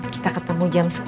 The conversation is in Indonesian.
kita ketemu jam sepuluh